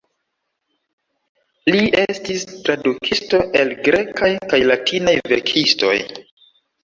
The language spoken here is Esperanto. Li estis tradukisto el grekaj kaj latinaj verkistoj.